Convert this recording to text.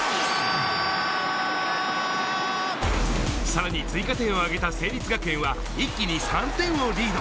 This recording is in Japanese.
さらに追加点を挙げた成立学園は一気に３点をリード。